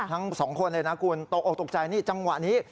ทั้งสองคนเลยนะคุณตกออกตกใจนี่จังหวะนี้